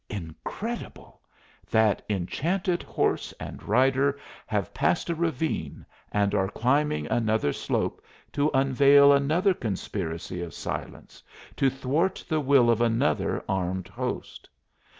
Incredible! that enchanted horse and rider have passed a ravine and are climbing another slope to unveil another conspiracy of silence, to thwart the will of another armed host.